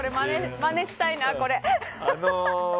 まねしたいな、これ。